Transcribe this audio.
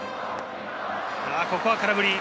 ここは空振り。